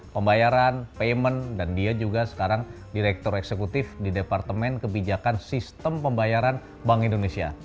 pembayaran payment dan dia juga sekarang direktur eksekutif di departemen kebijakan sistem pembayaran bank indonesia